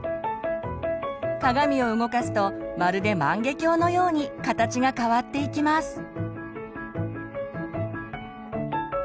鏡を動かすとまるで万華鏡のように形が変わっていきます。